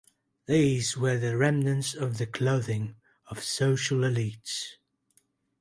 These were the remnants of the clothing of social elites.